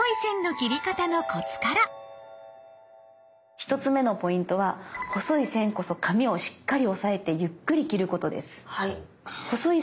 １つ目のポイントは細い線こそ紙をしっかり押さえてゆっくり切ることです。